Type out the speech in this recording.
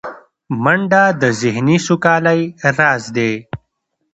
منډه د ذهني سوکالۍ راز دی